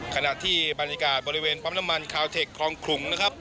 ขณะที่บรรยากาศบริเวณปั๊มน้ำมันคาวเทคคลองขลุงนะครับ